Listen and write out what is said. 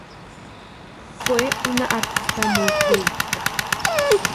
Fue una artista muy prolífica.